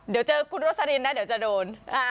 เดี๋ยวเจอคุณโรสลินนะเดี๋ยวจะโดน